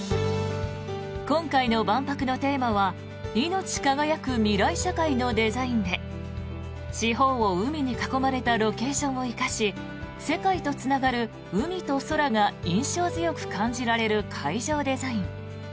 今回の万博のテーマは「いのち輝く未来社会のデザイン」で四方を海に囲まれたロケーションを生かし世界とつながる海と空が印象強く感じられる会場デザイン。